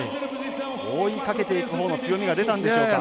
追いかけていくほうの強みが出たんでしょうか。